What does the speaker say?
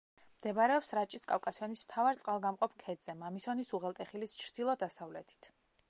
მდებარეობს რაჭის კავკასიონის მთავარ წყალგამყოფ ქედზე, მამისონის უღელტეხილის ჩრდილო-დასავლეთით.